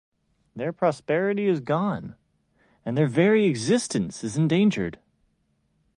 Their prosperity is gone and their very existence is endangered.